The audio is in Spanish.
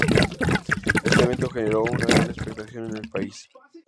Este evento generó una gran expectación en el país.